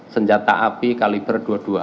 senjata api kaliber